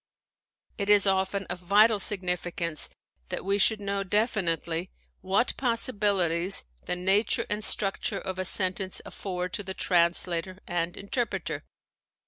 ^ It is often of vital sig nificance that we should know definitely what possibilities the nature and structure of a sentence afford to the translator and interpreter.